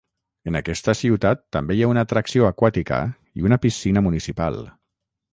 En aquesta ciutat també hi ha una atracció aquàtica i una piscina municipal.